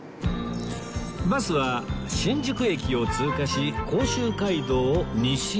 バスは新宿駅を通過し甲州街道を西へ